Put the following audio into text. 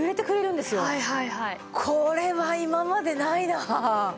これは今までないな。